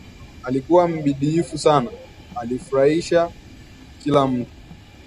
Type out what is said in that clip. Alikuwa mbidiifu sana, alifurahisha kilamtu